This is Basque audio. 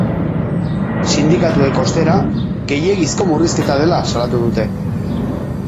Sindikatuek, ostera, gehiegizko murrizketa dela salatu dute.